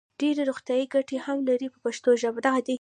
ډېرې روغتیايي ګټې هم لري په پښتو ژبه.